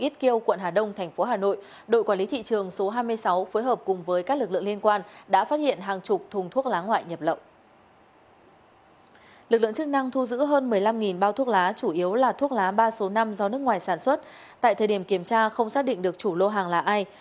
tại thời điểm kiểm tra không xác định được chủ lô hàng là ai